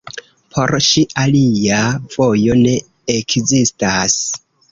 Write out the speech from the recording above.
Por ŝi alia vojo ne ekzistas.